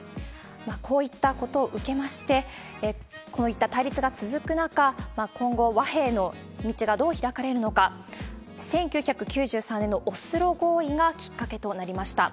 こういったことを受けまして、こういった対立が続く中、今後、和平の道がどう開かれるのか、１９９３年のオスロ合意がきっかけとなりました。